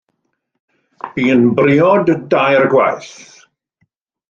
Bu'n briod dair gwaith.